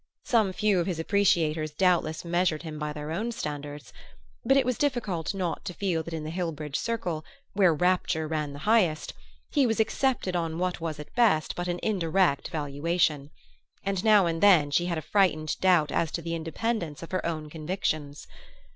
Some few of his appreciators doubtless measured him by their own standards; but it was difficult not to feel that in the Hillbridge circle, where rapture ran the highest, he was accepted on what was at best but an indirect valuation; and now and then she had a frightened doubt as to the independence of her own convictions.